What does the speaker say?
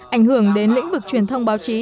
ảnh hưởng đến lĩnh vực truyền thông báo chí